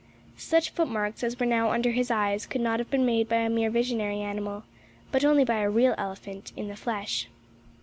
Such footmarks as were now under his eyes could not have been made by a mere visionary animal, but only by a real elephant in the flesh.